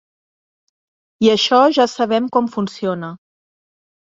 I això ja sabem com funciona.